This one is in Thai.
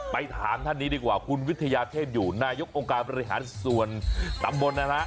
ไปถามท่านนี้ดีกว่าคุณวิทยาเทพอยู่นายกองค์การบริหารส่วนตำบลนะฮะ